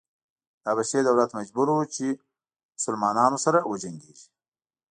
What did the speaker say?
د حبشې دولت مجبور و چې مسلنانو سره وجنګېږي.